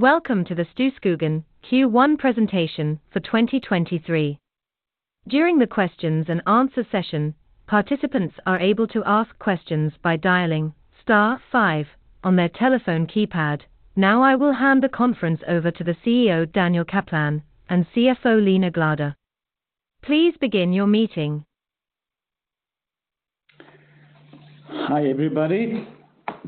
Welcome to the Storskogen Q1 presentation for 2023. During the questions-and-answer session, participants are able to ask questions by dialing star five on their telephone keypad. I will hand the conference over to the CEO, Daniel Kaplan, and CFO, Lena Glader. Please begin your meeting. Hi, everybody.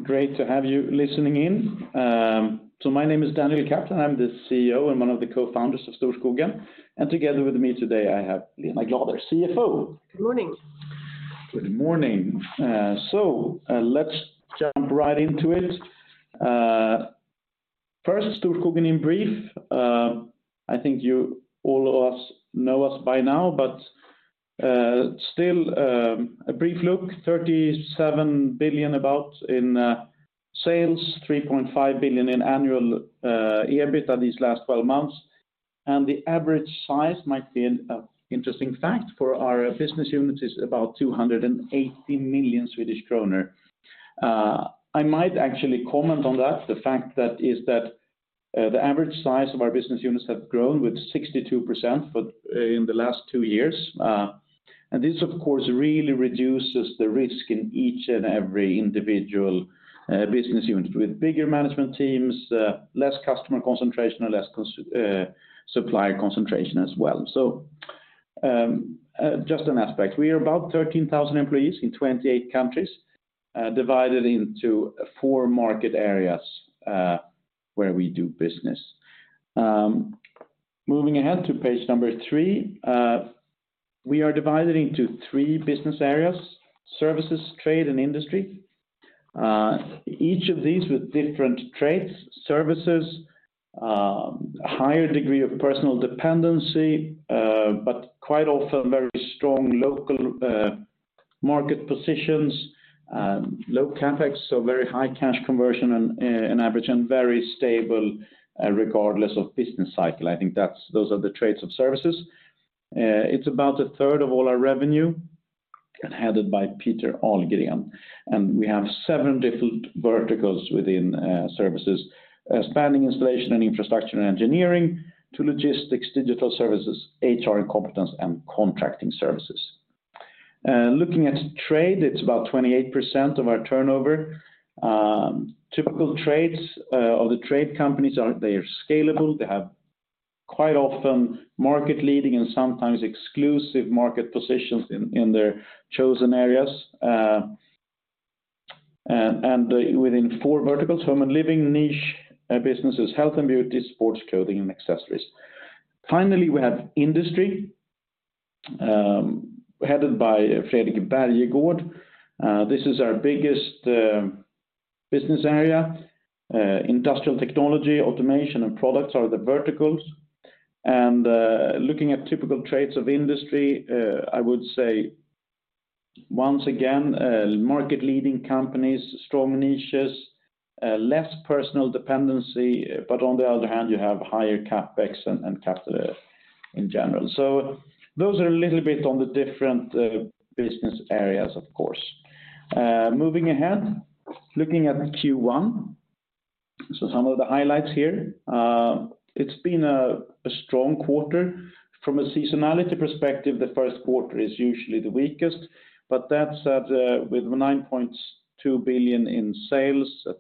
Great to have you listening in. My name is Daniel Kaplan. I'm the CEO and one of the cofounders of Storskogen. Together with me today, I have Lena Glader, CFO. Good morning. Good morning. Let's jump right into it. First Storskogen in brief. I think you all of us know us by now, but still, a brief look, 37 billion about in sales, 3.5 billion in annual EBITA these last 12 months. The average size might be an interesting fact, for our business unit is about 280 million Swedish kronor. I might actually comment on that. The fact that is that, the average size of our business units have grown with 62% for in the last two years. This of course really reduces the risk in each and every individual business unit with bigger management teams, less customer concentration or less supplier concentration as well. Just an aspect. We are about 13,000 employees in 28 countries, divided into four market areas, where we do business. Moving ahead to page number three. We are divided into three business areas, Services, Trade, and Industry. Each of these with different traits. Services, higher degree of personal dependency, but quite often very strong local market positions, low CapEx, so very high cash conversion on average and very stable regardless of business cycle. I think those are the traits of Services. It's about a third of all our revenue and headed by Peter Ahlgren. We have seven different verticals within Services, spanning installation and infrastructure and engineering to logistics, digital services, HR and competence, and contracting services. Looking at Trade, it's about 28% of our turnover. Typical trades of the trade companies are they are scalable. They have quite often market leading and sometimes exclusive market positions in their chosen areas and within four verticals, home and living niche businesses, health and beauty, sports clothing, and accessories. Finally, we have Industry, headed by Fredrik Bergegård. This is our biggest business area. Industrial technology, automation, and products are the verticals. Looking at typical trades of Industry, I would say once again, market leading companies, strong niches, less personal dependency, but on the other hand, you have higher CapEx and capital in general. Those are a little bit on the different business areas, of course. Moving ahead, looking at Q1. Some of the highlights here. It's been a strong quarter. From a seasonality perspective, the first quarter is usually the weakest. That said, with 9.2 billion in sales, a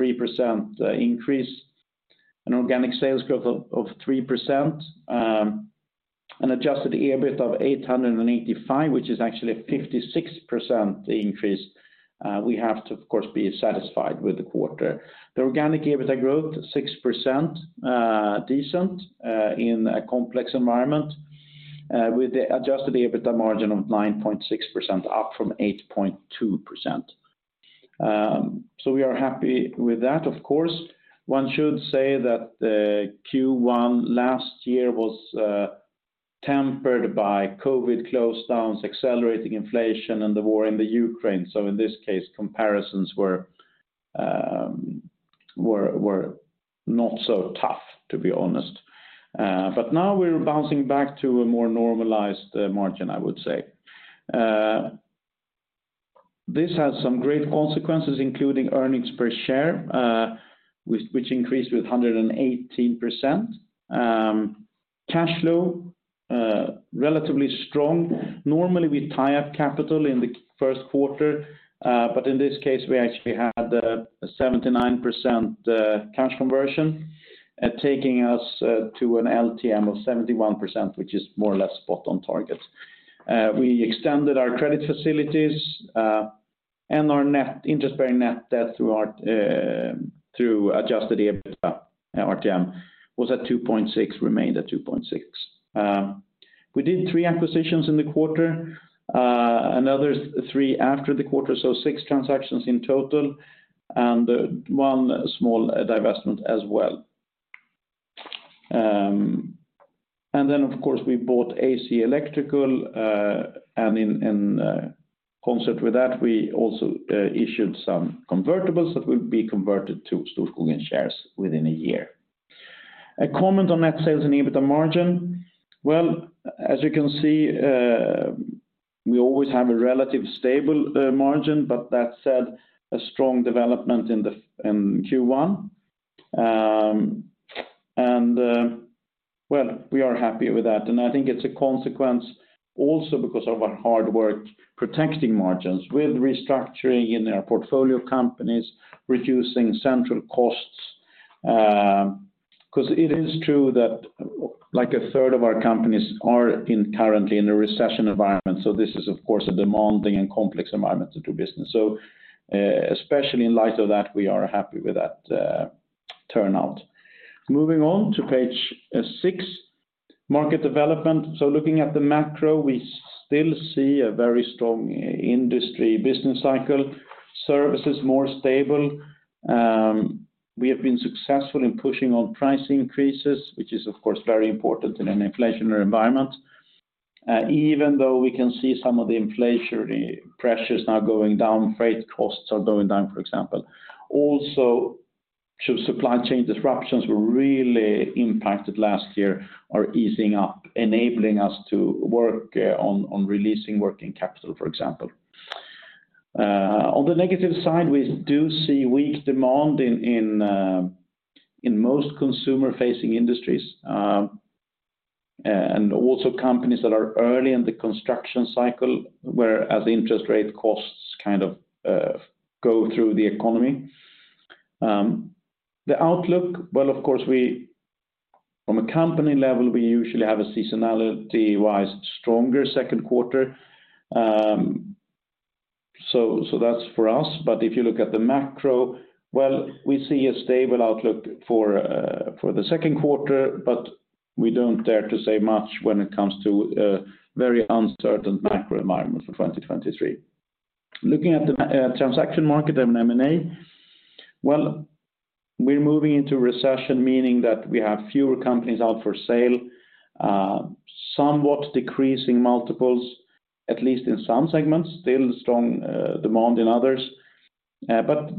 33% increase, an organic sales growth of 3%, an adjusted EBITA of 885, which is actually a 56% increase, we have to of course be satisfied with the quarter. The organic EBITA growth, 6%, decent, in a complex environment, with the adjusted EBITA margin of 9.6%, up from 8.2%. We are happy with that, of course. One should say that Q1 last year was tempered by COVID close downs, accelerating inflation and the war in the Ukraine. In this case, comparisons were not so tough, to be honest. Now we're bouncing back to a more normalized margin, I would say. This has some great consequences, including earnings per share, which increased with 118%. Cash flow, relatively strong. Normally, we tie up capital in the first quarter, but in this case, we actually had a 79% cash conversion, taking us to an LTM of 71%, which is more or less spot on target. We extended our credit facilities, and our interest bearing net debt through our adjusted EBITDA, RTM was at 2.6x, remained at 2.6x. We did three acquisitions in the quarter, another three after the quarter, so six transactions in total and one small divestment as well. Of course, we bought AC Electrical, and in concert with that, we also issued some convertibles that will be converted to Storskogen shares within a year. A comment on net sales and EBITA margin. Well, as you can see, we always have a relative stable margin, but that said, a strong development in Q1. Well, we are happy with that. I think it's a consequence also because of our hard work protecting margins with restructuring in our portfolio companies, reducing central costs, because it is true that, like, 1/3 of our companies are currently in a recession environment. This is, of course, a demanding and complex environment to do business. Especially in light of that, we are happy with that turnout. Moving on to page six, market development. Looking at the macro, we still see a very strong Industry business cycle. Service is more stable. We have been successful in pushing on price increases, which is, of course, very important in an inflationary environment. Even though we can see some of the inflationary pressures now going down, freight costs are going down, for example. Also, supply chain disruptions were really impacted last year are easing up, enabling us to work on releasing working capital, for example. On the negative side, we do see weak demand in most consumer-facing industries, and also companies that are early in the construction cycle, where as interest rate costs kind of go through the economy. The outlook, well, of course, From a company level, we usually have a seasonality-wise stronger second quarter. That's for us. If you look at the macro, well, we see a stable outlook for the second quarter, but we don't dare to say much when it comes to a very uncertain macro environment for 2023. Looking at the transaction market and M&A, well, we're moving into recession, meaning that we have fewer companies out for sale, somewhat decreasing multiples, at least in some segments, still strong demand in others.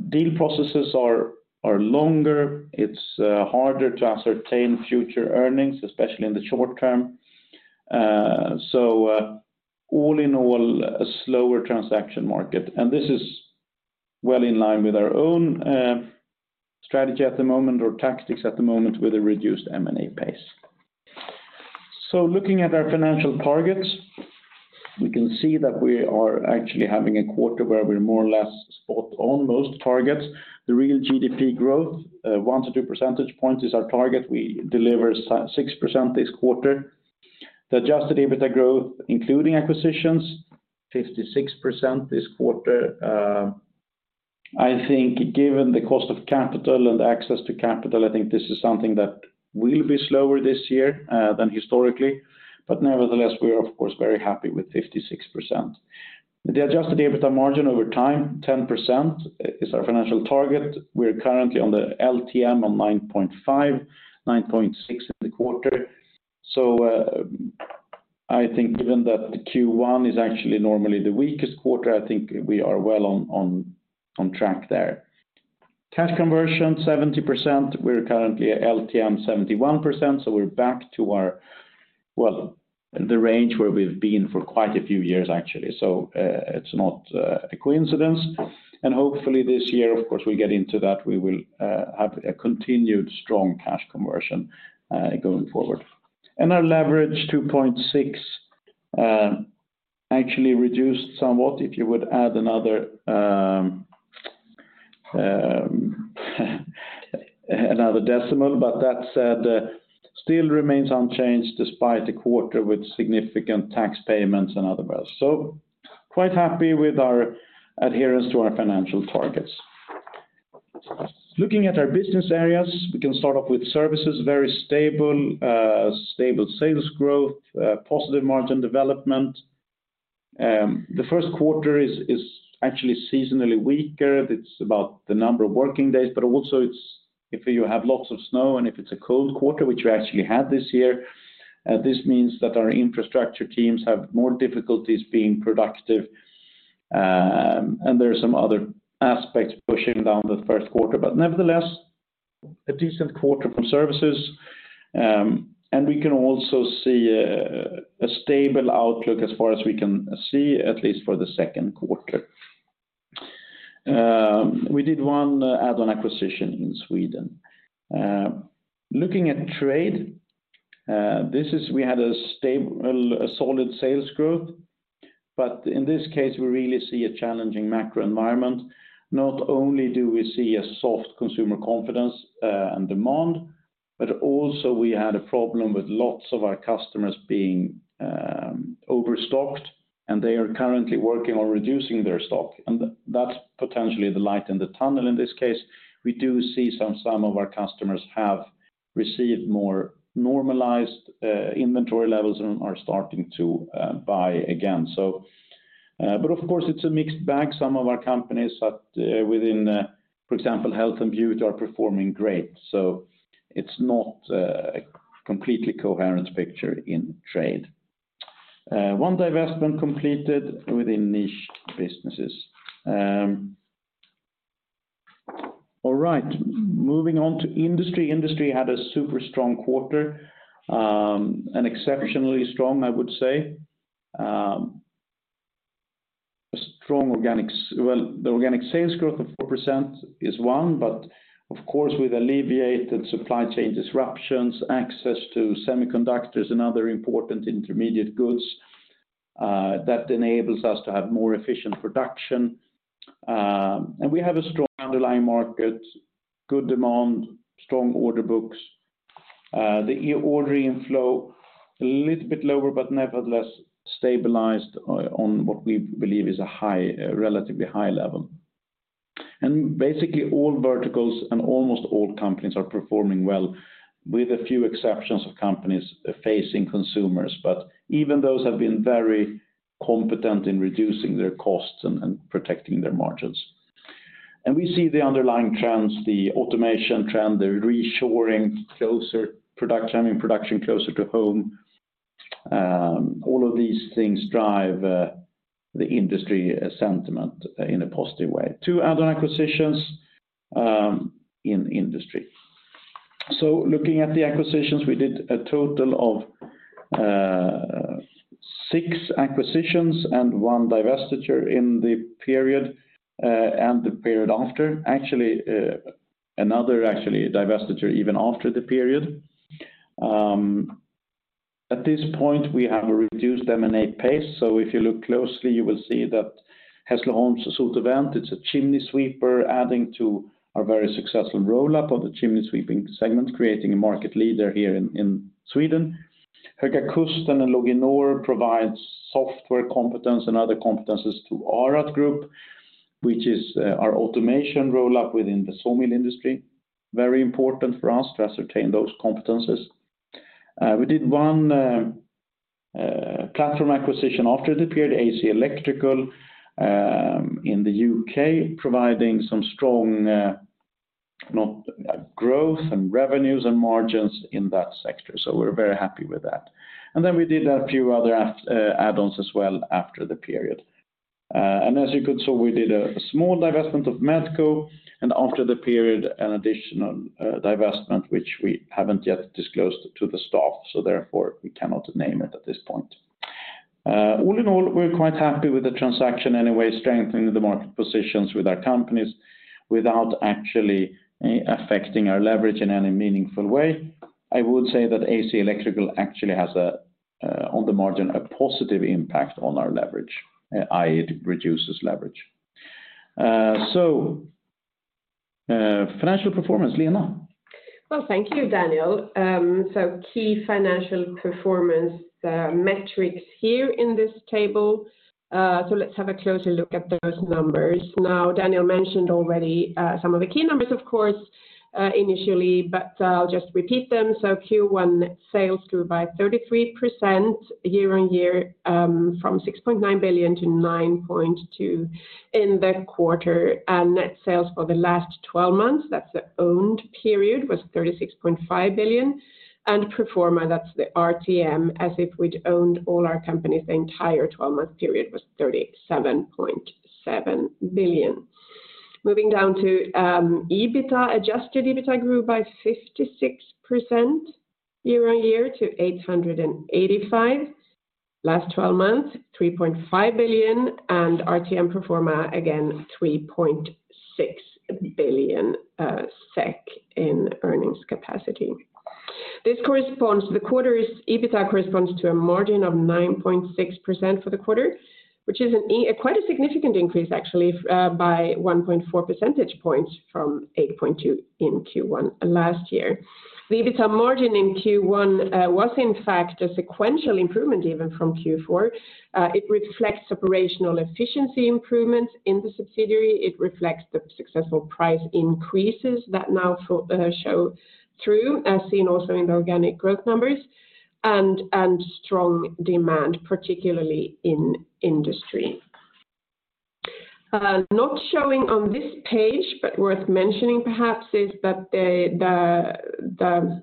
Deal processes are longer. It's harder to ascertain future earnings, especially in the short term. All in all, a slower transaction market. This is well in line with our own strategy at the moment or tactics at the moment with a reduced M&A pace. Looking at our financial targets, we can see that we are actually having a quarter where we're more or less spot on most targets. The real GDP growth, 1-2 percentage points is our target. We delivered 6% this quarter. The adjusted EBITA growth, including acquisitions, 56% this quarter. I think given the cost of capital and access to capital, I think this is something that will be slower this year than historically. Nevertheless, we are, of course, very happy with 56%. The adjusted EBITA margin over time, 10% is our financial target. We're currently on the LTM on 9.5%, 9.6% in the quarter. I think given that Q1 is actually normally the weakest quarter, I think we are well on track there. Cash conversion, 70%. We're currently at LTM 71%, so we're back to our the range where we've been for quite a few years, actually. It's not a coincidence. Hopefully this year, of course, we get into that, we will have a continued strong cash conversion going forward. Our leverage, 2.6x, actually reduced somewhat if you would add another another decimal. That said, still remains unchanged despite the quarter with significant tax payments and otherwise. Quite happy with our adherence to our financial targets. Looking at our business areas, we can start off with Services, very stable sales growth, positive margin development. The first quarter is actually seasonally weaker. It's about the number of working days, but also it's if you have lots of snow and if it's a cold quarter, which we actually had this year, this means that our infrastructure teams have more difficulties being productive. There are some other aspects pushing down the first quarter. Nevertheless, a decent quarter from Services. We can also see a stable outlook as far as we can see, at least for the second quarter. We did one add-on acquisition in Sweden. Looking at Trade, we had a stable, solid sales growth. In this case, we really see a challenging macro environment. Not only do we see a soft consumer confidence and demand, but also we had a problem with lots of our customers being overstocked, and they are currently working on reducing their stock. That's potentially the light in the tunnel in this case. We do see some of our customers have received more normalized inventory levels and are starting to buy again. Of course, it's a mixed bag. Some of our companies at within, for example, health and beauty are performing great. It's not a completely coherent picture in Trade. One divestment completed within niche businesses. All right. Moving on to Industry. Industry had a super strong quarter, an exceptionally strong, I would say. The organic sales growth of 4% is one, but of course, with alleviated supply chain disruptions, access to semiconductors and other important intermediate goods, that enables us to have more efficient production. We have a strong underlying market, good demand, strong order books. The ordering inflow a little bit lower, but nevertheless stabilized on what we believe is a high, relatively high level. Basically all verticals and almost all companies are performing well with a few exceptions of companies facing consumers. Even those have been very competent in reducing their costs and protecting their margins. We see the underlying trends, the automation trend, the reshoring closer production, I mean, production closer to home. All of these things drive the Industry sentiment in a positive way. Two other acquisitions in Industry. Looking at the acquisitions, we did a total of six acquisitions and one divestiture in the period and the period after. Actually, another actually divestiture even after the period. At this point, we have a reduced M&A pace. If you look closely, you will see that Hässleholms Sot & Vent, it's a chimney sweeper adding to our very successful roll-up of the chimney sweeping segment, creating a market leader here in Sweden. Höga Kusten and Loginor provides software competence and other competences to ARAT Group, which is our automation roll-up within the sawmill industry. Very important for us to ascertain those competences. We did one platform acquisition after the period, AC Electrical, in the U.K., providing some strong not growth and revenues and margins in that sector. We're very happy with that. We did a few other add-ons as well after the period. As you could saw, we did a small divestment of Medkoh, and after the period, an additional divestment, which we haven't yet disclosed to the stock, so therefore we cannot name it at this point. All in all, we're quite happy with the transaction anyway, strengthening the market positions with our companies without actually affecting our leverage in any meaningful way. I would say that AC Electrical actually has, on the margin, a positive impact on our leverage, i.e., it reduces leverage. Financial performance, Lena. Well, thank you, Daniel. Key financial performance metrics here in this table. Let's have a closer look at those numbers. Now, Daniel mentioned already some of the key numbers, of course, initially, but I'll just repeat them. Q1 net sales grew by 33% year-on-year, from 6.9 billion-9.2 billion in the quarter. Net sales for the last 12 months, that's the owned period, was 36.5 billion. Pro forma, that's the RTM, as if we'd owned all our companies the entire 12-month period, was 37.7 billion. Moving down to EBITA. Adjusted EBITA grew by 56% year-on-year to 885 million. Last 12 months, 3.5 billion, and RTM pro forma, again, 3.6 billion SEK in earnings capacity. This corresponds to the EBITA corresponds to a margin of 9.6% for the quarter, which is quite a significant increase, actually, by 1.4 percentage points from 8.2 in Q1 last year. The EBITA margin in Q1 was in fact a sequential improvement even from Q4. It reflects operational efficiency improvements in the subsidiary. It reflects the successful price increases that now show through, as seen also in the organic growth numbers, and strong demand, particularly in Industry. Not showing on this page, but worth mentioning perhaps, is that the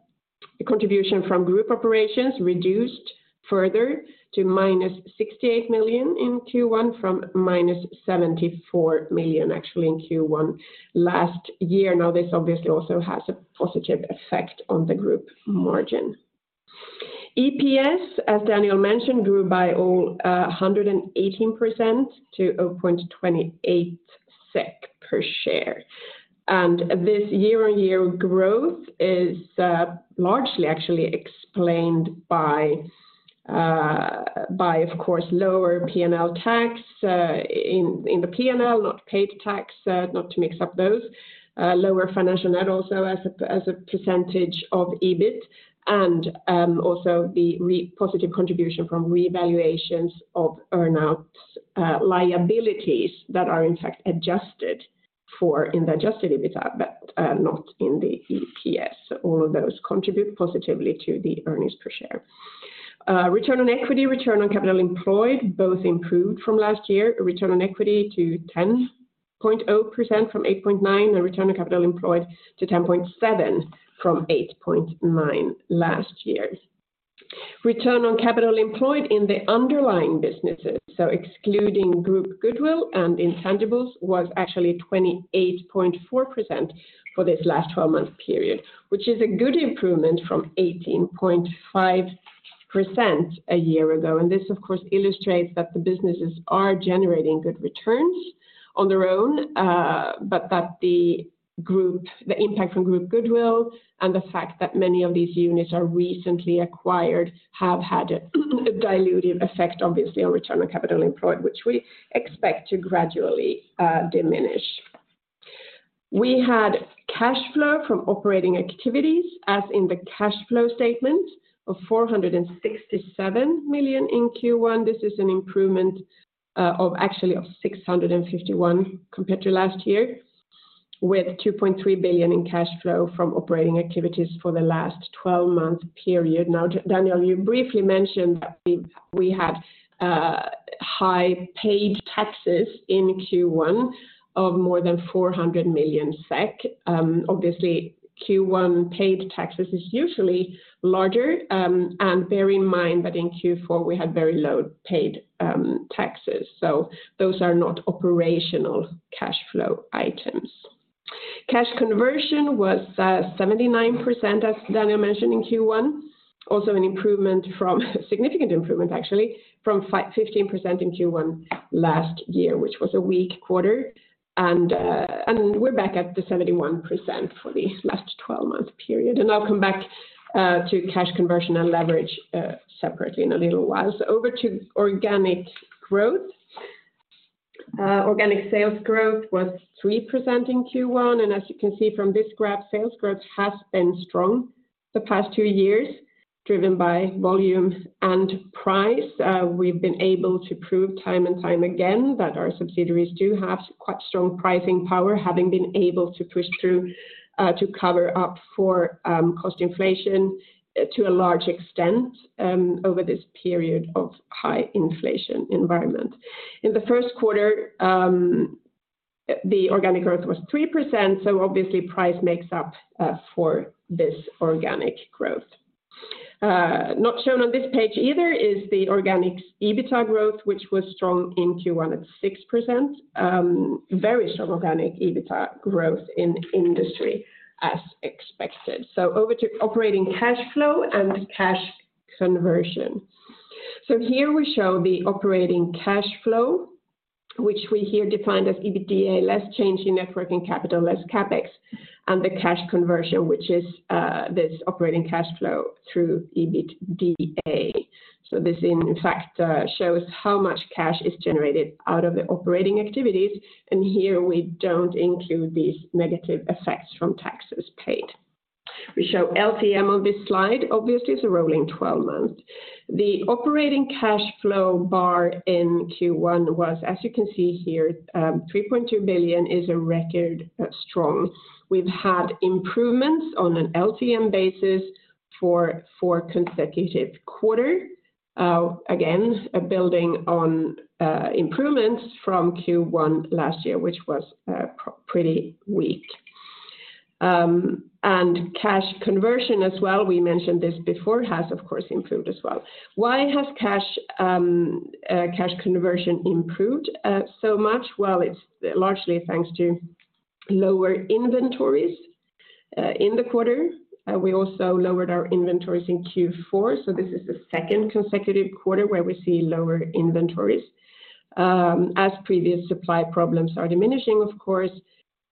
contribution from group operations reduced further to -68 million in Q1 from -74 million actually in Q1 last year. This obviously also has a positive effect on the group margin. EPS, as Daniel mentioned, grew by all, 118% to 0.28 per share. This year-on-year growth is largely actually explained by, of course, lower P&L tax in the P&L, not paid tax, not to mix up those, lower financial net also as a percentage of EBIT, and also the re- positive contribution from revaluations of earn-out liabilities that are in fact adjusted for in the adjusted EBITA, but not in the EPS. All of those contribute positively to the earnings per share. Return on equity, return on capital employed both improved from last year. Return on equity to 10.0% from 8.9%, and return on capital employed to 10.7% from 8.9% last year. Return on capital employed in the underlying businesses, so excluding group goodwill and intangibles, was actually 28.4% for this last 12-month period, which is a good improvement from 18.5% a year ago. This, of course, illustrates that the businesses are generating good returns on their own, but that the impact from group goodwill and the fact that many of these units are recently acquired have had a dilutive effect, obviously, on return on capital employed, which we expect to gradually diminish. We had cash flow from operating activities, as in the cash flow statement, of 467 million in Q1. This is an improvement, actually of 651 compared to last year, with 2.3 billion in cash flow from operating activities for the last 12-month period. Now, Daniel, you briefly mentioned that we had high paid taxes in Q1 of more than 400 million SEK. Obviously Q1 paid taxes is usually larger, bear in mind that in Q4 we had very low paid taxes. Those are not operational cash flow items. Cash conversion was 79%, as Daniel mentioned, in Q1. Also an improvement, significant improvement actually from 15% in Q1 last year, which was a weak quarter. We're back at the 71% for the last 12-month period. I'll come back to cash conversion and leverage separately in a little while. Over to organic growth. Organic sales growth was 3% in Q1. As you can see from this graph, sales growth has been strong the past two years driven by volume and price. We've been able to prove time and time again that our subsidiaries do have quite strong pricing power, having been able to push through to cover up for cost inflation to a large extent over this period of high inflation environment. In the first quarter, the organic growth was 3%. Obviously price makes up for this organic growth. Not shown on this page either is the organic EBITA growth, which was strong in Q1 at 6%. Very strong organic EBITA growth in Industry as expected. Over to operating cash flow and cash conversion. Here we show the operating cash flow, which we here defined as EBITDA less change in net working capital less CapEx, and the cash conversion, which is this operating cash flow through EBITDA. This in fact shows how much cash is generated out of the operating activities, and here we don't include these negative effects from taxes paid. We show LTM on this slide, obviously it's a rolling 12 month. The operating cash flow bar in Q1 was, as you can see here, 3.2 billion, is a record strong. We've had improvements on an LTM basis for four consecutive quarter. Again, building on improvements from Q1 last year, which was pretty weak. And cash conversion as well, we mentioned this before, has of course improved as well. Why has cash conversion improved so much? Well, it's largely thanks to lower inventories in the quarter. We also lowered our inventories in Q4. This is the second consecutive quarter where we see lower inventories as previous supply problems are diminishing, of course.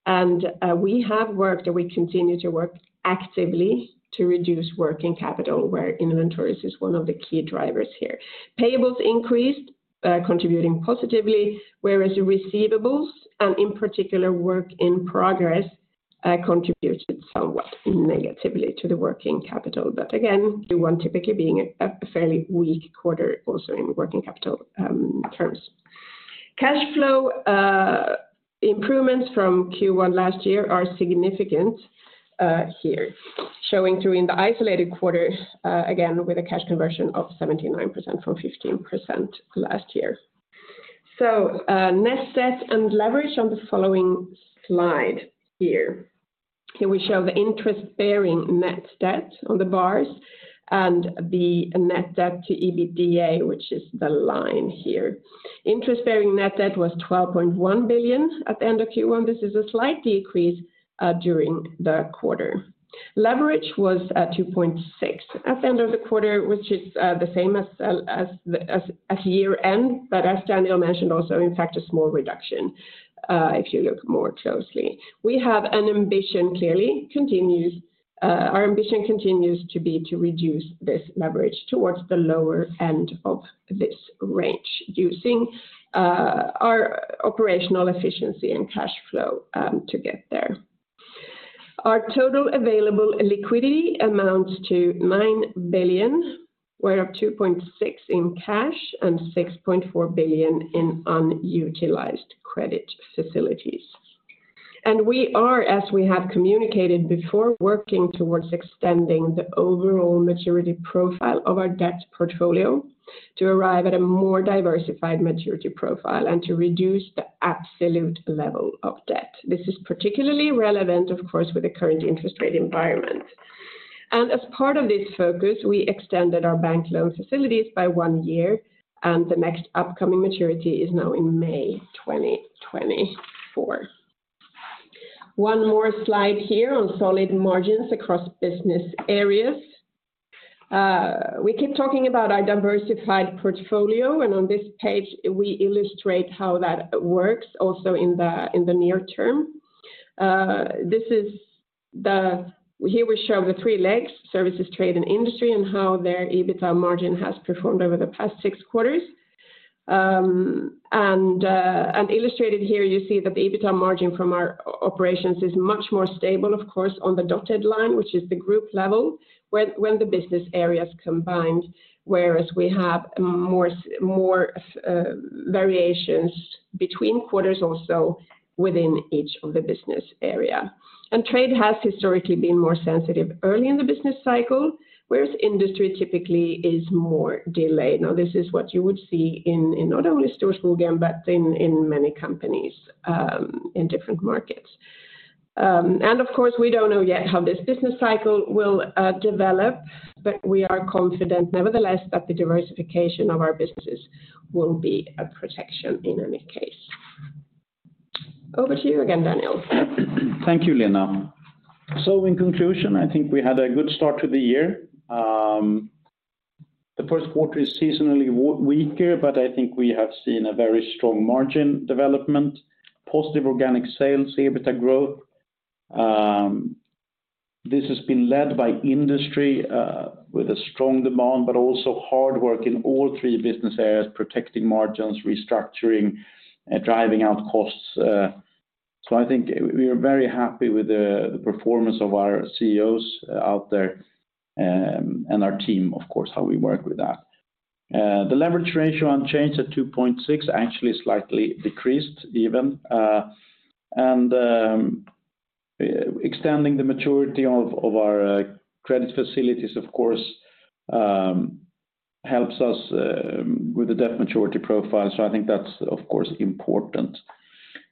We have worked and we continue to work actively to reduce net working capital where inventories is one of the key drivers here. Payables increased, contributing positively, whereas receivables and in particular work in progress contributed somewhat negatively to the net working capital. Again, Q1 typically being a fairly weak quarter also in net working capital terms. Cash flow improvements from Q1 last year are significant here, showing through in the isolated quarter, again with a cash conversion of 79% from 15% last year. Net debt and leverage on the following slide here. Here we show the interest-bearing net debt on the bars and the net debt to EBITDA, which is the line here. Interest-bearing net debt was 12.1 billion at the end of Q1. This is a slight decrease during the quarter. Leverage was at 2.6x at the end of the quarter, which is the same as year-end. As Daniel Kaplan mentioned also, in fact a small reduction if you look more closely. Our ambition continues to be to reduce this leverage towards the lower end of this range using our operational efficiency and cash flow to get there. Our total available liquidity amounts to 9 billion. We're up 2.6 billion in cash and 6.4 billion in unutilized credit facilities. We are, as we have communicated before, working towards extending the overall maturity profile of our debt portfolio. To arrive at a more diversified maturity profile and to reduce the absolute level of debt. This is particularly relevant, of course, with the current interest rate environment. As part of this focus, we extended our bank loan facilities by one year, and the next upcoming maturity is now in May 2024. One more slide here on solid margins across business areas. We keep talking about our diversified portfolio, and on this page we illustrate how that works also in the, in the near term. Here we show the three legs, Services, Trade, and Industry, and how their EBITA margin has performed over the past six quarters. Illustrated here you see that the EBITA margin from our operations is much more stable, of course, on the dotted line, which is the group level when the business areas combined, whereas we have more variations between quarters also within each of the business area. Trade has historically been more sensitive early in the business cycle, whereas Industry typically is more delayed. This is what you would see in not only Storskogen but in many companies in different markets. Of course, we don't know yet how this business cycle will develop, but we are confident nevertheless that the diversification of our businesses will be a protection in any case. Over to you again, Daniel. Thank you, Lena. In conclusion, I think we had a good start to the year. The first quarter is seasonally weaker, but I think we have seen a very strong margin development, positive organic sales, EBITA growth. This has been led by Industry, with a strong demand, but also hard work in all three business areas, protecting margins, restructuring, driving out costs. I think we are very happy with the performance of our CEOs out there, and our team, of course, how we work with that. The leverage ratio unchanged at 2.6x actually slightly decreased even. And extending the maturity of our credit facilities, of course, helps us with the debt maturity profile. I think that's of course important.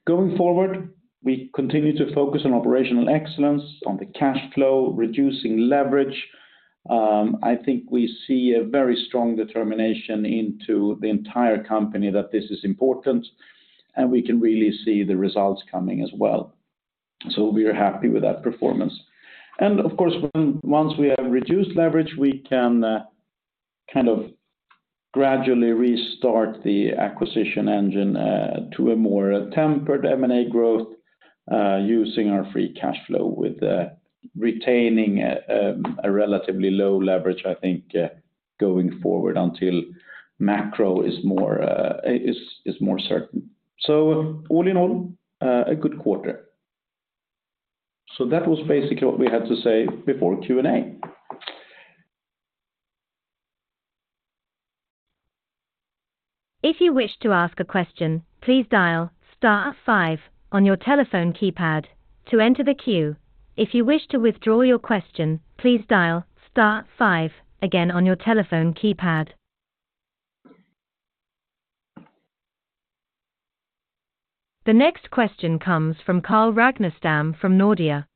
Going forward, we continue to focus on operational excellence, on the cash flow, reducing leverage. I think we see a very strong determination into the entire company that this is important, and we can really see the results coming as well. We are happy with that performance. Of course, once we have reduced leverage, we can kind of gradually restart the acquisition engine to a more tempered M&A growth using our free cash flow with retaining a relatively low leverage, I think, going forward until macro is more, is more certain. All in all, a good quarter. That was basically what we had to say before Q&A. If you wish to ask a question, please dial star five on your telephone keypad to enter the queue. If you wish to withdraw your question, please dial star five again on your telephone keypad. The next question comes from Carl Ragnerstam from Nordea.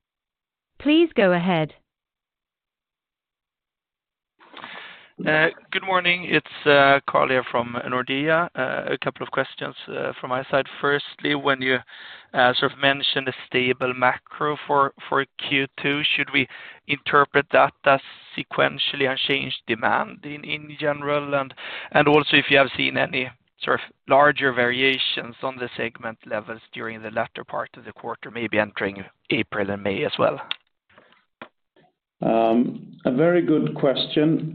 Please go ahead. Good morning. It's Carl here from Nordea. A couple of questions from my side. Firstly, when you sort of mentioned a stable macro for Q2, should we interpret that as sequentially unchanged demand in general? And also if you have seen any sort of larger variations on the segment levels during the latter part of the quarter, maybe entering April and May as well? A very good question.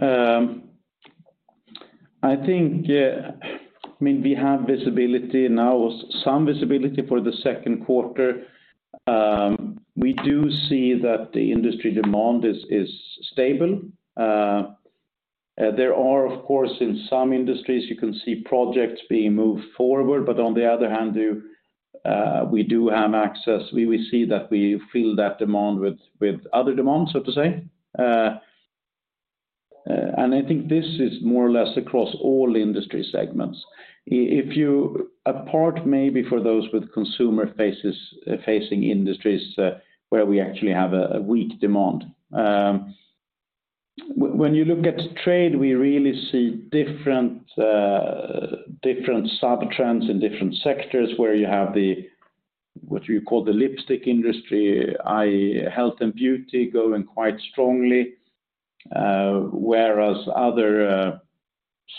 I mean, we have visibility now, some visibility for the second quarter. We do see that the Industry demand is stable. There are of course in some industries you can see projects being moved forward, but on the other hand, you, we do have access. We see that we fill that demand with other demands, so to say. I think this is more or less across all Industry segments. Apart maybe for those with consumer-facing industries, where we actually have a weak demand. When you look at Trade, we really see different sub-trends in different sectors where you have the, what you call the lipstick industry, i.e. health and beauty going quite strongly, whereas other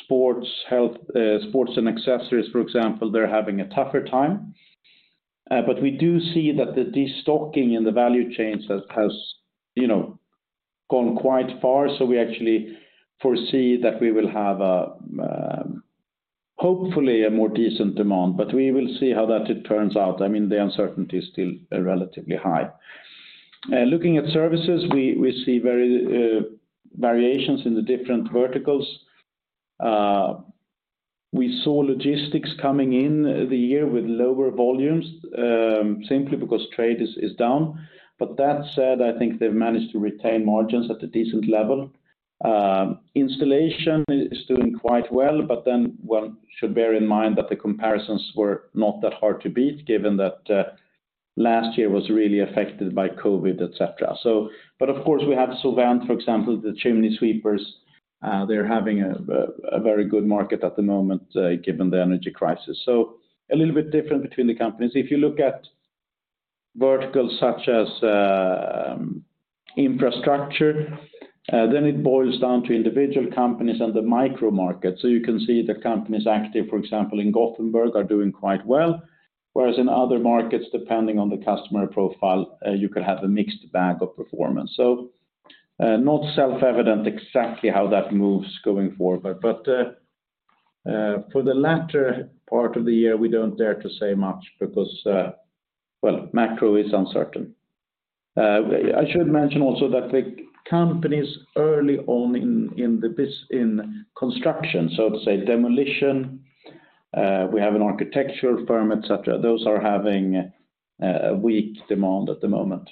sports, health, sports and accessories, for example, they're having a tougher time. We do see that the destocking in the value chains has, you know, gone quite far. We actually foresee that we will have a hopefully a more decent demand, but we will see how that it turns out. I mean, the uncertainty is still relatively high. Looking at Services, we see very variations in the different verticals. We saw logistics coming in the year with lower volumes, simply because Trade is down. That said, I think they've managed to retain margins at a decent level. Installation is doing quite well, but then one should bear in mind that the comparisons were not that hard to beat given that, last year was really affected by COVID, et cetera. Of course, we have SoVent Group, for example, the chimney sweepers, they're having a very good market at the moment, given the energy crisis. A little bit different between the companies. If you look at verticals such as, infrastructure, then it boils down to individual companies and the micro market. You can see the companies active, for example, in Gothenburg are doing quite well, whereas in other markets, depending on the customer profile, you could have a mixed bag of performance. Not self-evident exactly how that moves going forward. For the latter part of the year, we don't dare to say much because, well, macro is uncertain. I should mention also that the companies early on in construction, so to say demolition, we have an architectural firm, et cetera, those are having a weak demand at the moment.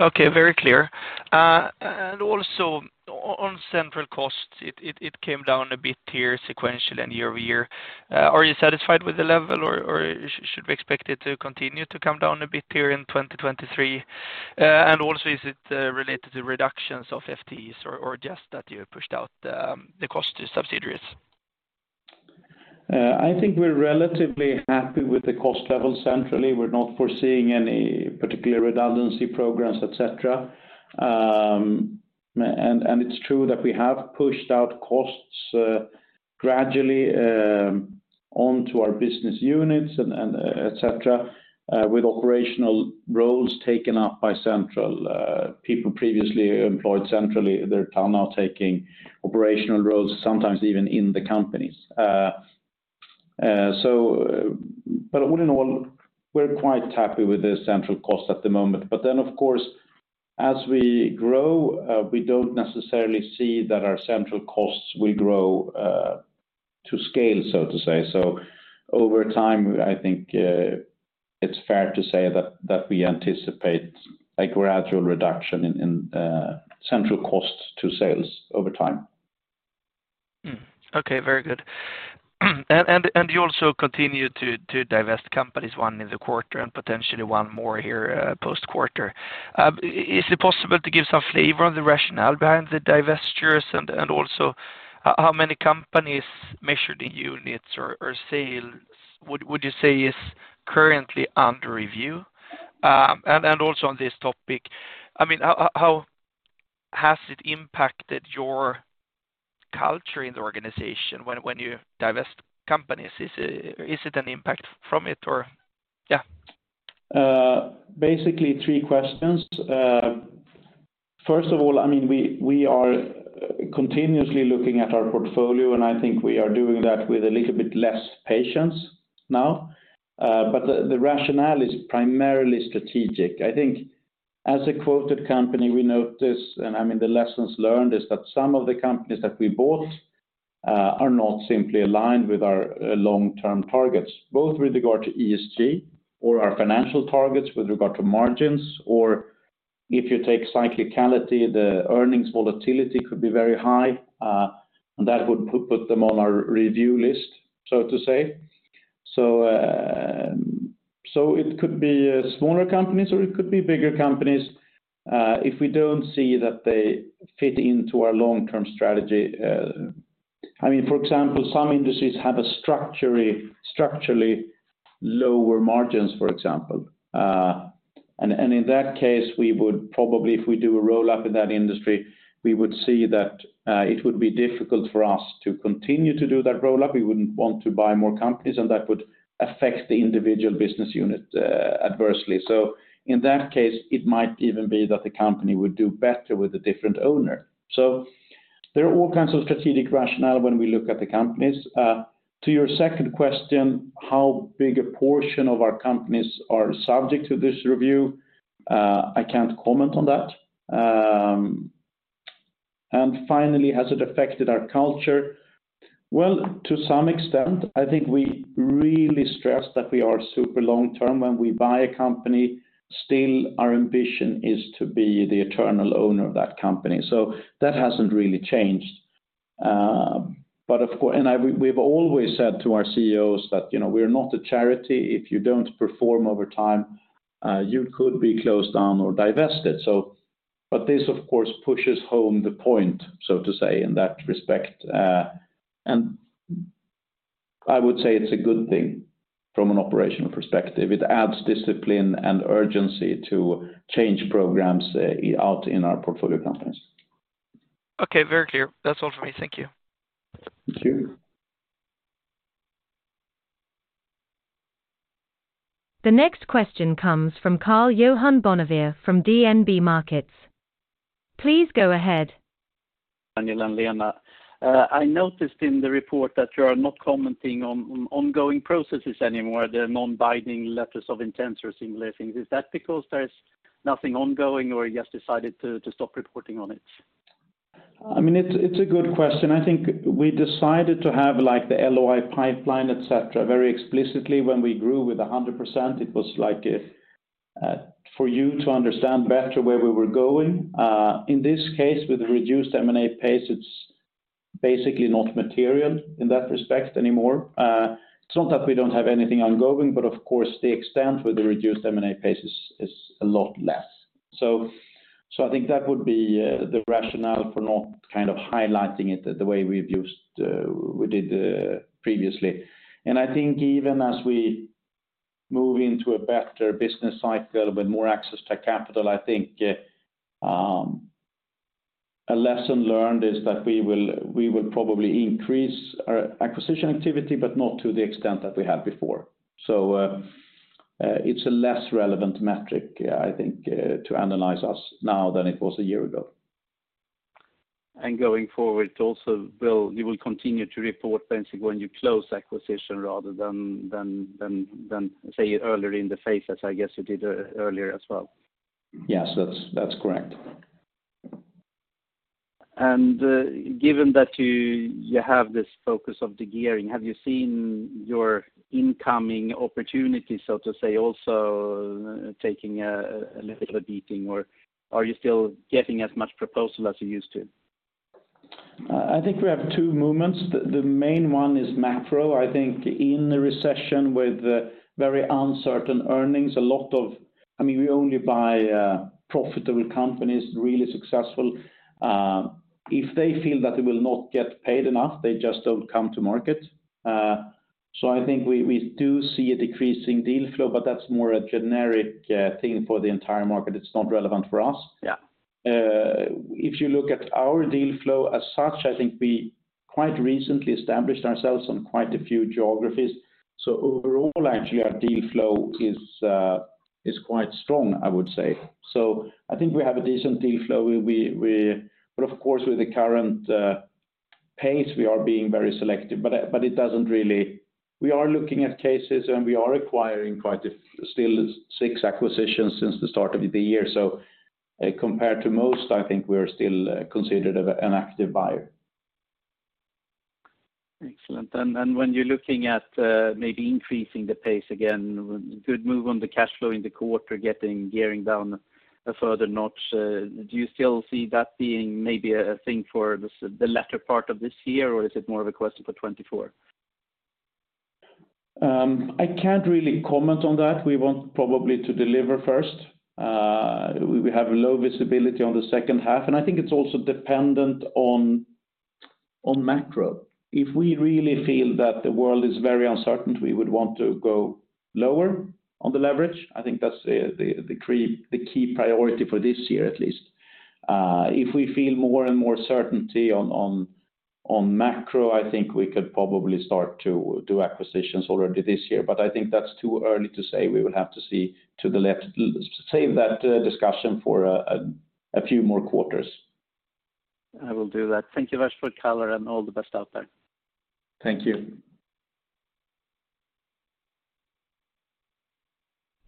Okay, very clear. Also on central costs, it came down a bit here sequential and year-over-year. Are you satisfied with the level or should we expect it to continue to come down a bit here in 2023? Also is it related to reductions of FTEs or just that you pushed out the cost to subsidiaries? I think we're relatively happy with the cost level centrally. We're not foreseeing any particular redundancy programs, et cetera. It's true that we have pushed out costs gradually onto our business units and et cetera, with operational roles taken up by central. People previously employed centrally, they're now taking operational roles, sometimes even in the companies. All in all, we're quite happy with the central cost at the moment. Of course, as we grow, we don't necessarily see that our central costs will grow to scale, so to say. Over time, I think, it's fair to say that we anticipate a gradual reduction in central costs to sales over time. Okay, very good. You also continue to divest companies one in the quarter and potentially one more here post-quarter. Is it possible to give some flavor on the rationale behind the divestitures? Also how many companies measured in units or sales would you say is currently under review? Also on this topic, I mean, how has it impacted your culture in the organization when you divest companies? Is it an impact from it or? Basically three questions. First of all, I mean, we are continuously looking at our portfolio, and I think we are doing that with a little bit less patience now. The rationale is primarily strategic. I think as a quoted company, we notice, and I mean, the lessons learned is that some of the companies that we bought are not simply aligned with our long-term targets, both with regard to ESG or our financial targets with regard to margins, or if you take cyclicality, the earnings volatility could be very high, and that would put them on our review list, so to say. It could be smaller companies or it could be bigger companies if we don't see that they fit into our long-term strategy. I mean, for example, some industries have a structurally lower margins, for example. In that case, we would probably, if we do a roll-up in that industry, we would see that it would be difficult for us to continue to do that roll-up. We wouldn't want to buy more companies, and that would affect the individual business unit adversely. In that case, it might even be that the company would do better with a different owner. There are all kinds of strategic rationale when we look at the companies. To your second question, how big a portion of our companies are subject to this review? I can't comment on that. Finally, has it affected our culture? Well, to some extent, I think we really stress that we are super long term. When we buy a company, still our ambition is to be the eternal owner of that company. That hasn't really changed. We've always said to our CEOs that, you know, we are not a charity. If you don't perform over time, you could be closed down or divested. This, of course, pushes home the point, so to say, in that respect. I would say it's a good thing from an operational perspective. It adds discipline and urgency to change programs, out in our portfolio companies. Okay, very clear. That's all for me. Thank you. Thank you. The next question comes from Karl-Johan Bonnevier from DNB Markets. Please go ahead. Daniel and Lena. I noticed in the report that you are not commenting on ongoing processes anymore, the non-binding letters of intent or similar things. Is that because there's nothing ongoing or you just decided to stop reporting on it? I mean, it's a good question. I think we decided to have, like, the LOI pipeline, et cetera, very explicitly when we grew with a 100%. It was like, for you to understand better where we were going. In this case, with the reduced M&A pace, it's basically not material in that respect anymore. It's not that we don't have anything ongoing, but of course, the extent with the reduced M&A pace is a lot less. So I think that would be the rationale for not kind of highlighting it the way we did previously. I think even as we move into a better business cycle with more access to capital, I think a lesson learned is that we will probably increase our acquisition activity, but not to the extent that we had before. It's a less relevant metric, I think, to analyze us now than it was a year ago. Going forward also, you will continue to report basically when you close acquisition rather than say, earlier in the phase, as I guess you did earlier as well. Yes. That's correct. Given that you have this focus of degearing, have you seen your incoming opportunity, so to say, also taking a little beating, or are you still getting as much proposal as you used to? I think we have two movements. The main one is macro. I think in the recession with very uncertain earnings, a lot of... I mean, we only buy profitable companies, really successful. If they feel that they will not get paid enough, they just don't come to market. I think we do see a decreasing deal flow, but that's more a generic thing for the entire market. It's not relevant for us. Yeah. If you look at our deal flow as such, I think we quite recently established ourselves on quite a few geographies. Overall, actually, our deal flow is quite strong, I would say. I think we have a decent deal flow. We... Of course, with the current pace, we are being very selective. It doesn't really... We are looking at cases, and we are acquiring quite a... Still six acquisitions since the start of the year. Compared to most, I think we are still considered an active buyer. Excellent. When you're looking at, maybe increasing the pace again, good move on the cash flow in the quarter, gearing down a further notch, do you still see that being maybe a thing for the latter part of this year, or is it more of a question for 2024? I can't really comment on that. We want probably to deliver first. We have a low visibility on the second half, and I think it's also dependent on macro. If we really feel that the world is very uncertain, we would want to go lower on the leverage. I think that's the key priority for this year, at least. If we feel more and more certainty on macro, I think we could probably start to do acquisitions already this year. I think that's too early to say. We will have to see to the left... save that discussion for a few more quarters. I will do that. Thank you very much for the color and all the best out there. Thank you.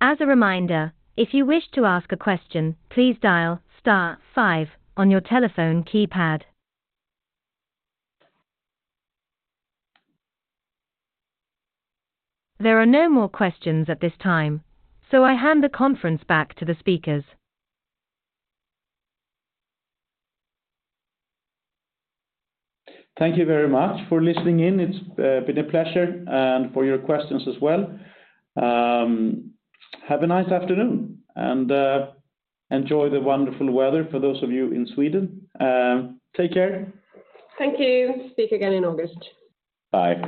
As a reminder, if you wish to ask a question, please dial star five on your telephone keypad. There are no more questions at this time, so I hand the conference back to the speakers. Thank you very much for listening in. It's been a pleasure, and for your questions as well. Have a nice afternoon, enjoy the wonderful weather for those of you in Sweden. Take care. Thank you. Speak again in August. Bye.